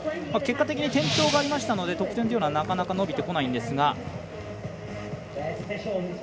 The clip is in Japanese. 結果的に転倒がありましたので得点というのはなかなか、伸びてこないんですが。